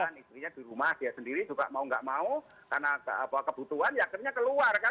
kan istrinya di rumah dia sendiri juga mau nggak mau karena kebutuhan ya akhirnya keluar kan